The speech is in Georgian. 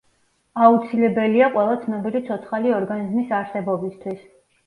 აუცილებელია ყველა ცნობილი ცოცხალი ორგანიზმის არსებობისთვის.